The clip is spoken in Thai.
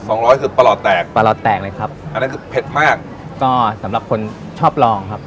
สองร้อยคือประหลอดแตกประหลอดแตกเลยครับอันนั้นคือเผ็ดมากก็สำหรับคนชอบลองครับ